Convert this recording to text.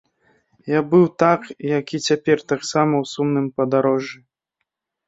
Я быў, так як і цяпер, таксама ў сумным падарожжы.